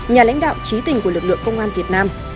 nhà lãnh đạo trí tình của lực lượng công an việt nam